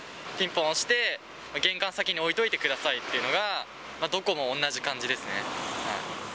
ぴんぽん押して、玄関先に置いといてくださいっていうのが、どこも同じ感じですね。